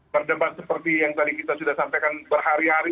berdebat seperti yang tadi kita sudah sampaikan berhari hari